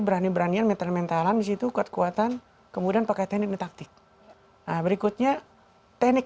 berani beranian mental mentalan disitu kuat kuatan kemudian pakai teknik dan taktik berikutnya teknik